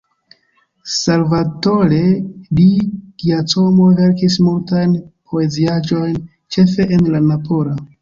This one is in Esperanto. Salvatore Di Giacomo verkis multajn poeziaĵojn ĉefe en la napola.